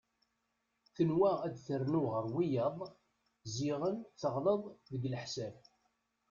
Tenwa ad ternu ɣer wiyaḍ ziɣen teɣleḍ deg leḥsab.